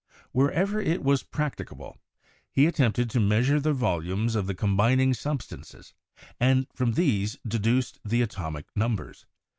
Wherever it was practicable, he attempted to measure the volumes of the combining sub stances, and from these deduced the atomic numbers.